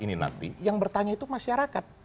ini nanti yang bertanya itu masyarakat